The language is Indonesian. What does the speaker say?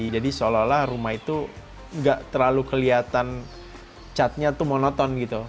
jadi seolah olah rumah itu nggak terlalu kelihatan catnya monoton gitu